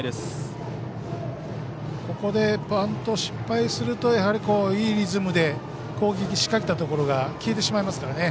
ここでバントを失敗するとやはり、いいリズムで攻撃を仕掛けていたところが消えてしまいますからね。